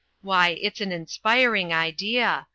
Why, it's an inspiring idea